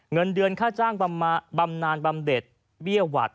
เงินเดือนค่าจ้างบำนานบำเด็ดเบี้ยหวัด